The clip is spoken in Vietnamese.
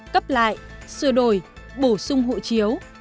cấp lại sửa đổi bổ sung hộ chiếu